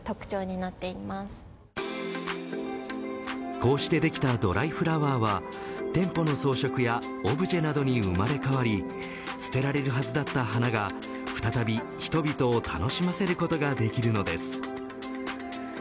こうしてできたドライフラワーは店舗の装飾やオブジェなどに生まれ変わり捨てられるはずだった花が再び人々を楽しませることができるのです。